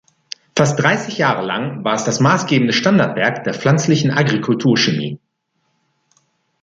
Fast dreißig Jahre lang war es das maßgebende Standardwerk der pflanzlichen Agrikulturchemie.